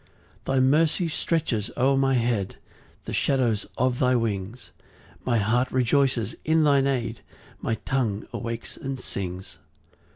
4 Thy mercy stretches o'er my head The shadow of thy wings; My heart rejoices in thine aid, My tongue awakes and sings.